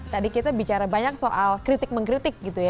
tadi kita bicara banyak soal kritik mengkritik gitu ya